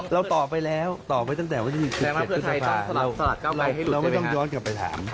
เราตอบไปแล้วตอบไปตั้งแต่ว่าจะยืนถึง๑๑ภศภาพเราไม่ต้องย้อนกลับไปถาม